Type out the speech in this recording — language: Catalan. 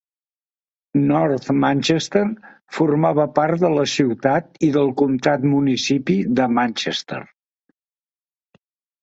North Manchester formava part de la ciutat i del comtat-municipi de Manchester.